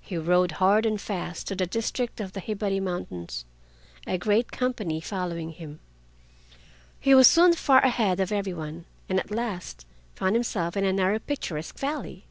He rode hard and fast to the district of the Hibari Mountains, a great company following him. He was soon far ahead of every one, and at last found himself in a narrow picturesque valley.